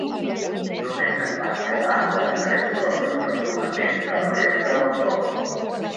Només en van quedar les tres torres i els fonaments de la resta del fort.